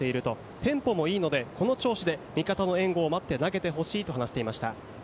テンポもいいので、この調子で味方の援護を待って投げてほしいと話していました。